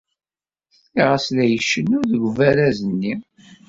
Sliɣ-as la icennu deg ubaraz-nni.